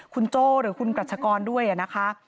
คุณโจ้หรือคุณกรัชกรด้วยนะคะ